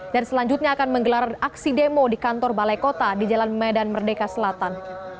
dan selanjutnya akan menggelar aksi demo di kantor balai kota di jalan medan merdeka selatan